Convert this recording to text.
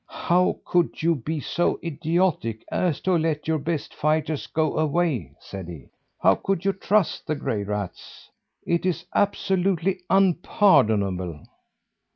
"How could you be so idiotic as to let your best fighters go away?" said he. "How could you trust the gray rats? It is absolutely unpardonable!"